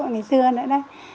ngày xưa nữa đấy